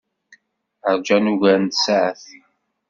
Ṛjan ugar n tsaɛet.